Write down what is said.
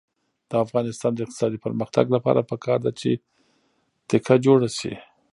د افغانستان د اقتصادي پرمختګ لپاره پکار ده چې تکه جوړه شي.